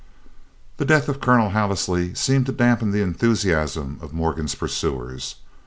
The death of Colonel Halisy seemed to dampen the enthusiasm of Morgan's pursuers.